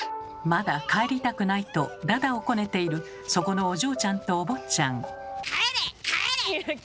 まだ帰りたくないとだだをこねているそこのお嬢ちゃんとお坊ちゃん。